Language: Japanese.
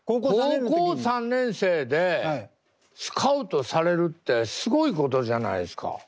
高校３年生でスカウトされるってすごいことじゃないですか。